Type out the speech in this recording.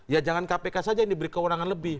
ya jangan kpk saja yang diberi kewenangan lebih